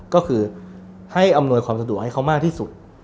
ก็คือให้อำนวยความสะดวกให้เขามากที่สุด